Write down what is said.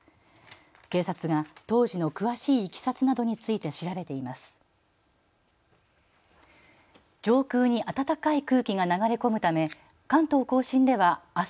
警察が当時の詳しいいきさつなどについて調べています。